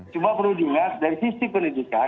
cuma perlu diingat dari sisi pendidikan